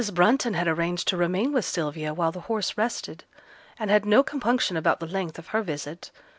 Brunton had arranged to remain with Sylvia while the horse rested, and had no compunction about the length of her visit.